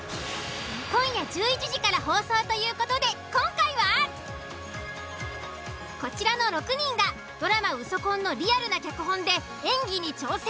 今夜１１時から放送という事で今回はこちらの６人がドラマ「ウソ婚」のリアルな脚本で演技に挑戦。